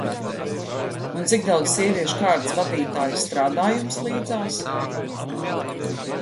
Un cik daudz sieviešu kārtas vadītājas strādā jums līdzās?